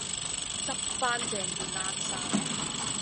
執番正件冷衫